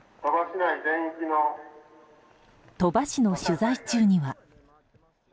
鳥羽市の取材中には。